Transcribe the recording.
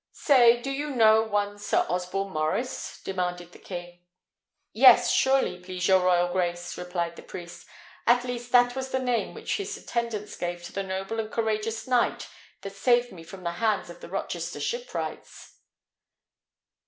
"Say, do you know one Sir Osborne Maurice?" demanded the king. "Yes, surely, please your royal grace," replied the priest. "At least that was the name which his attendants gave to the noble and courageous knight that saved me from the hands of the Rochester shipwrights."